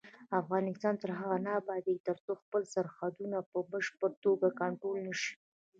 افغانستان تر هغو نه ابادیږي، ترڅو خپل سرحدونه په بشپړه توګه کنټرول نشي.